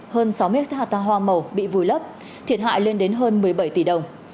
hơn sáu m hạt thang hoa màu bị vùi lấp thiệt hại lên đến hơn một mươi bảy tỷ đồng